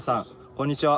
こんにちは。